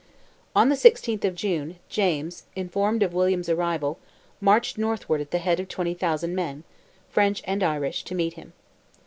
On the 16th of June, James, informed of William's arrival, marched northward at the head of 20,000 men, French and Irish, to meet him.